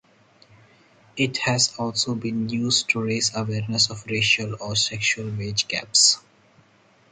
It has also been used to raise awareness of racial or sexual wage gaps.